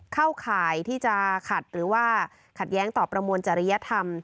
ข่ายที่จะขัดหรือว่าขัดแย้งต่อประมวลจริยธรรม